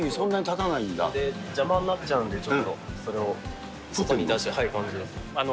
あまり、邪魔になっちゃうんで、ちょうどそれを外に出すという感じです。